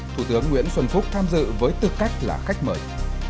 thủ tướng nguyễn xuân phúc tham dự với tư cách là khách mời